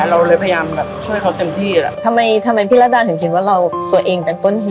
เราเลยพยายามแบบช่วยเขาเต็มที่อ่ะทำไมทำไมพี่ระดาถึงคิดว่าเราตัวเองเป็นต้นเหตุ